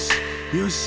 よし！